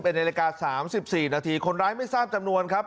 นาฬิกา๓๔นาทีคนร้ายไม่ทราบจำนวนครับ